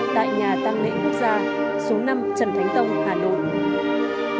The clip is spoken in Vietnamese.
tại nhà tăng lễ quốc gia số năm trần thánh tông hà nội